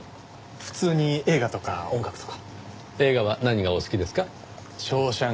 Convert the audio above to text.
普通に映画とか音楽とか。映画は何がお好きですか？